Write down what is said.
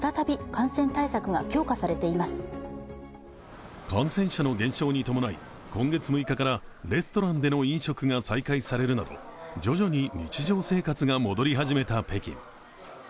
感染者の減少に伴い今月６日からレストランでの飲食が再開されるなど徐々に日常生活が戻り始めた北京。